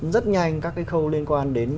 rất nhanh các cái khâu liên quan đến